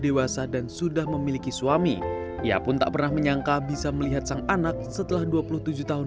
dewasa dan sudah memiliki suami ia pun tak pernah menyangka bisa melihat sang anak setelah dua puluh tujuh tahun